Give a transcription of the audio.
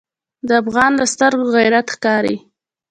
د افغان له سترګو غیرت ښکاري.